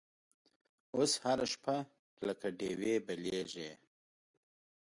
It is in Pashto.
اوس هره شپه لکه ډیوې بلیږې